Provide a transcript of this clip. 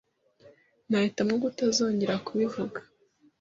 Nahitamo kutazongera kubivuga.